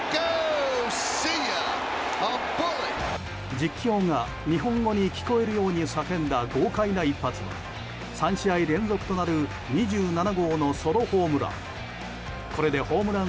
実況が日本語に聞こえるように叫んだ豪快な一発は３試合連続となる２７号のソロホームラン。